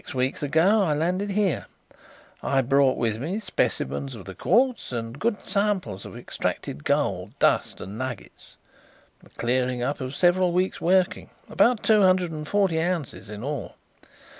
Six weeks ago I landed here. I brought with me specimens of the quartz and good samples of extracted gold, dust and nuggets, the clearing up of several weeks' working, about two hundred and forty ounces in all.